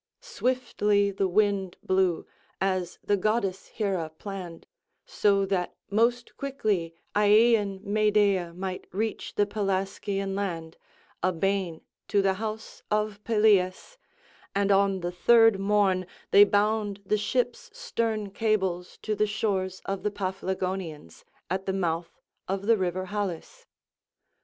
Swiftly the wind blew, as the goddess Hera planned, so that most quickly Aeaean Medea might reach the Pelasgian land, a bane to the house of Pelias, and on the third morn they bound the ship's stern cables to the shores of the Paphlagonians, at the mouth of the river Halys.